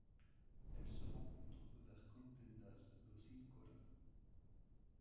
Elle se rencontre vers Contendas do Sincorá.